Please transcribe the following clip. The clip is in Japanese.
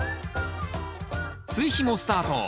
追肥もスタート。